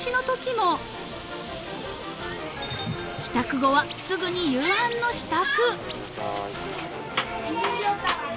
［帰宅後はすぐに夕飯の支度］